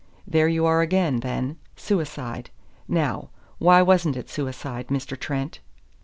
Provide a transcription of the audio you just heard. There you are again, then: suicide! Now, why wasn't it suicide, Mr. Trent?"